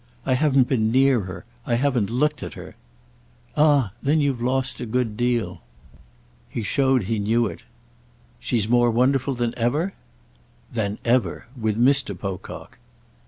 "I haven't been near her. I haven't looked at her." "Ah then you've lost a good deal!" He showed he knew it. "She's more wonderful than ever?" "Than ever. With Mr. Pocock."